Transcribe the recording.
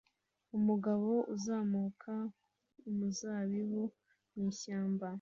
Umugabo azamuka umuzabibu mwishyamba